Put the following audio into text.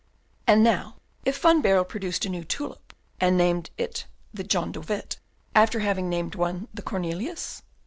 And now if Van Baerle produced a new tulip, and named it the John de Witt, after having named one the Cornelius?